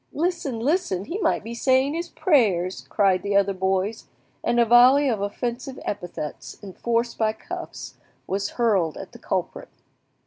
"Listen, listen! he might be saying his prayers!" cried the other boys; and a volley of offensive epithets, enforced by cuffs, was hurled at the culprit.